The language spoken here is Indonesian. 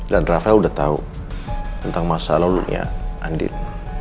dan rafael udah tahu tentang masa lalunya andin